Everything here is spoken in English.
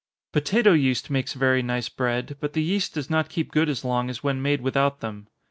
Potato yeast makes very nice bread, but the yeast does not keep good as long as when made without them.